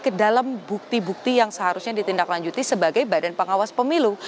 ke dalam bukti bukti yang seharusnya ditindaklanjuti sebagai badan pengawas pemilu